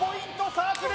サークル